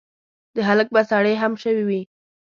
د هلک به سړې هم شوي وي.